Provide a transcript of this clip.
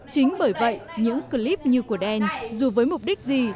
chính bởi vậy những clip như của đen dù với mục đích gì